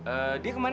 eh dia kemana ya